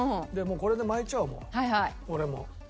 これで巻いちゃおう俺も。